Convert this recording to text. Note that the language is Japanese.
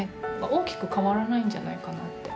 大きく変わらないんじゃないかなって。